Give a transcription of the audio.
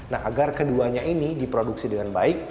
nah agar keduanya ini diproduksi dengan baik